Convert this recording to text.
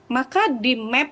maka di map